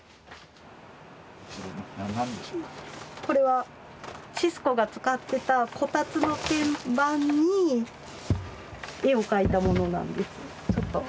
これはシスコが使ってたこたつの天板に絵を描いたものなんです。